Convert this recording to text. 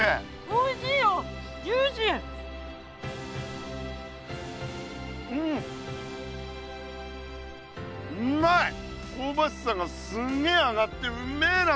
こうばしさがすんげえ上がってうんめえな！